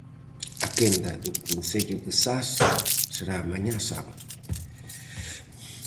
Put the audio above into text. A quenda do concello de Zas será mañá sábado.